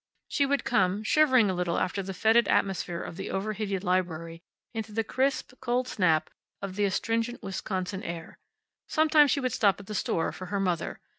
She would come, shivering a little after the fetid atmosphere of the overheated library, into the crisp, cold snap of the astringent Wisconsin air. Sometimes she would stop at the store for her mother.